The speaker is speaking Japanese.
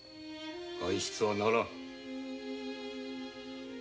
外出はならん。